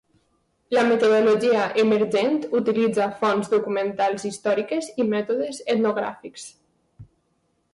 La metodologia emergent utilitza fonts documentals històriques i mètodes etnogràfics.